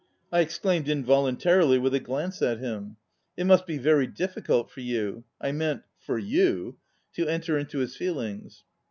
I exclaimed involuntarily, with a glance at him: "It must be very difficult for you (I meant: for you) to enter into his feelings."